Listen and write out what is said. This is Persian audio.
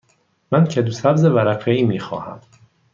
من کدو سبز ورقه ای می خواهم.